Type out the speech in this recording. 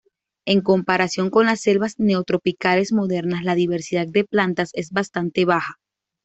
En comparación con las selvas neotropicales modernas, la diversidad de plantas es bastante baja.